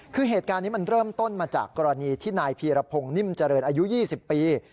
คือเหตุการณ์นี้มันเริ่มต้นมาจากกรณีที่นายพีรพงศ์นิ่มเจริญอายุ๒๐ปี